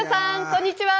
こんにちは！